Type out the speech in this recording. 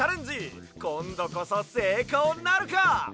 こんどこそせいこうなるか？